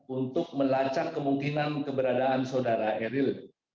untuk melacak kemungkinan keberadaan saudara eril